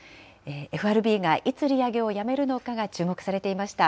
ＦＲＢがいつ利上げをやめるのかが注目されていました。